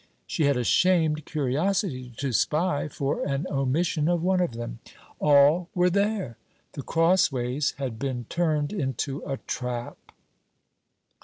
She had a shamed curiosity to spy for an omission of one of them; all were there. The Crossways had been turned into a trap.